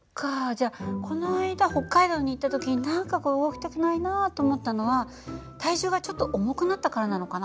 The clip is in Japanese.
じゃこの間北海道に行った時何かこう動きたくないなと思ったのは体重がちょっと重くなったからなのかな？